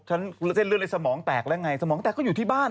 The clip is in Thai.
ฉันเส้นเรื่องอะไรสมองแตกอะไรไงสมองแตกก็อยู่ที่บ้าน